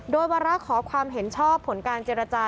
โดยวาระขอความเห็นชอบผลการเจรจา